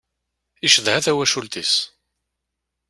Icedha tawacult-is.